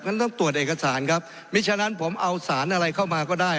ต้องตรวจเอกสารครับไม่ฉะนั้นผมเอาสารอะไรเข้ามาก็ได้